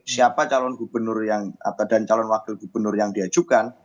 siapa calon gubernur dan calon wakil gubernur yang diajukan